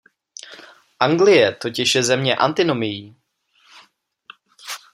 Anglie totiž je země antinomií.